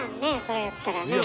それやったらね。